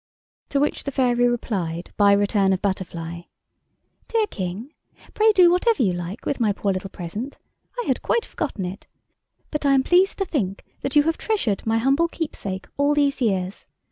To which the fairy replied by return of butterfly:— "DEAR KING,—Pray do whatever you like with my poor little present. I had quite forgotten it, but I am pleased to think that you have treasured my humble keepsake all these years.